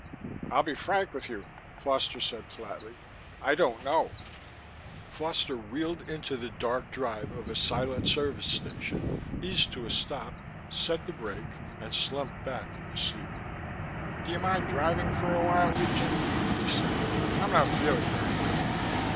"I'll be frank with you," Foster said flatly. "I don't know." Foster wheeled into the dark drive of a silent service station, eased to a stop, set the brake and slumped back in the seat. "Do you mind driving for a while, Legion?" he said. "I'm not feeling very well."